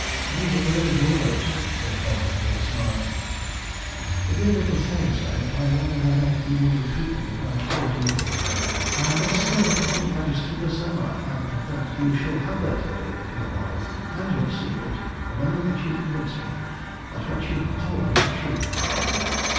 "Those are brave words," said Colston, with a smile. "Forgive me for saying so, but I wonder whether you would repeat them if I told you that I am a servant of his Majesty the Tsar, and that you shall have that million for your model and your secret the moment that you convince me that what you have told me is true."